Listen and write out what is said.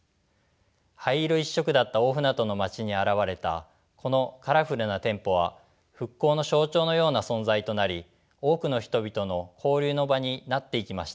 灰色一色だった大船渡の街に現れたこのカラフルな店舗は復興の象徴のような存在となり多くの人々の交流の場になっていきました。